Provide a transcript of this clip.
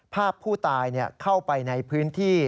ภาพผู้ตายเข้าไปในพื้นที่